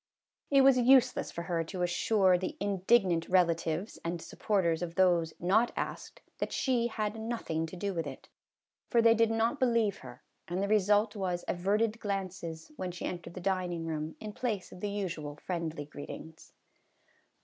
It was useless for her to assure the indig nant relatives and supporters of those not asked that she had nothing to do with it, for they did not believe her, and the result was averted glances, when she entered the dining room, in place of the usual friendly greetings.